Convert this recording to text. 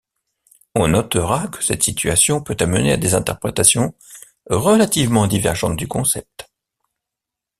On notera que cette situation peut amener à des interprétations relativement divergentes du concept.